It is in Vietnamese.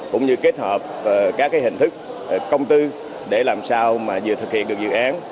cũng như kết hợp các hình thức công tư để làm sao mà vừa thực hiện được dự án